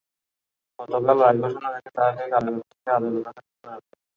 গতকাল রায় ঘোষণার আগে তাঁকে কারাগার থেকে আদালতে হাজির করা হয়।